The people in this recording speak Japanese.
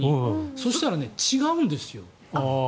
そしたら違うんですよ。